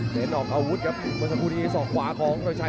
เต้นออกอาวุธครับมันสมมุติที่ส่องขวาของอรันชัย